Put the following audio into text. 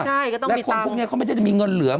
ใช่ก็ต้องมีตังค์และคนพวกนี้เขาไม่ใช่จะมีเงินเหลือ